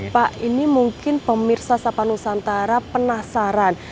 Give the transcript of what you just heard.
saya mungkin pemirsa sapa nusantara penasaran